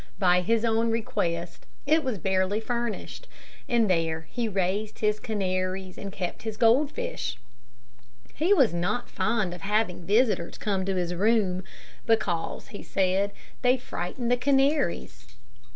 By his own request, it was barely furnished, and there he raised his canaries and kept his goldfish. He was not fond of having visitors coming to his room, because, he said, they frightened the canaries.